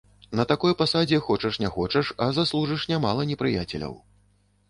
На такой пасадзе хочаш не хочаш, а заслужыш нямала непрыяцеляў.